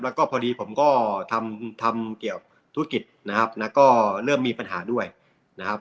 แล้วก็พอดีผมก็ทำทำเกี่ยวธุรกิจนะครับแล้วก็เริ่มมีปัญหาด้วยนะครับ